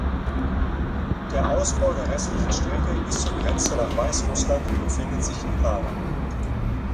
Der Ausbau der restlichen Strecke bis zur Grenze nach Weißrussland befindet sich in Planung.